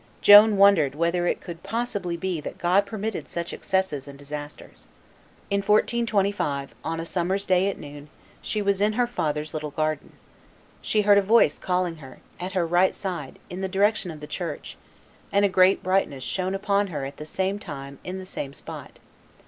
Joan wondered whether it could possibly be that God permitted such excesses and disasters. In 1425, on a summer's day, at noon, she was in her father's little garden. She heard a voice calling her, at her right side, in the direction of the church, and a great brightness shone upon her at the same time in the same spot.